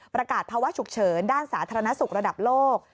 ประกาศภาวะฉุกเฉินด้านสาธารณสุขระดับโลก